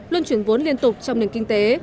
luân chuyển vốn liên tục trong nền kinh tế